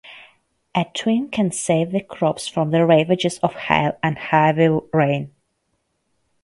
A twin can save the crops from the ravages of hail and heavy rain.